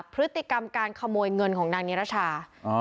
พฤติกรรมการขโมยเงินของนางนิรชา